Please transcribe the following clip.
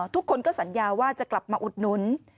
ทุกคนก็สัญญาว่าจะกลับมาอุดหนุน